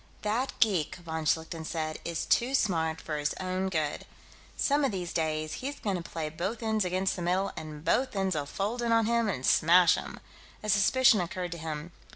"That geek," von Schlichten said, "is too smart for his own good. Some of these days he's going to play both ends against the middle and both ends'll fold in on him and smash him." A suspicion occurred to him.